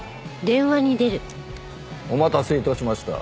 お待たせ致しました。